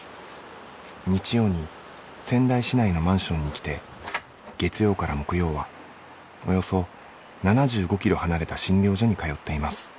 日曜に仙台市内のマンションに来て月曜から木曜はおよそ７５キロ離れた診療所に通っています。